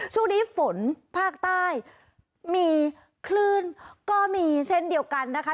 ช่วงนี้ฝนภาคใต้มีคลื่นก็มีเช่นเดียวกันนะคะ